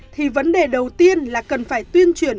thì vấn đề đầu tiên là cần phải tuyên truyền